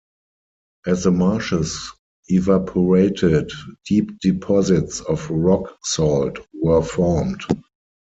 As the marshes evaporated, deep deposits of rock salt were formed.